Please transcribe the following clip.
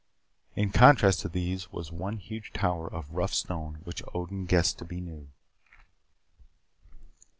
In contrast to these was one huge tower of rough stone which Odin guessed to be new.